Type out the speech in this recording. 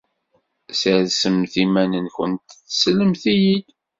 Ssersemt iman-nwent teslemt-iyi-d.